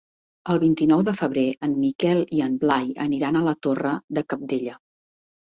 El vint-i-nou de febrer en Miquel i en Blai aniran a la Torre de Cabdella.